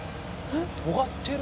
とがってる。